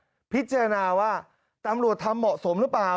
การแผ่นดินเนี่ยพิจารณาว่าตำรวจทำเหมาะสมหรือเปล่า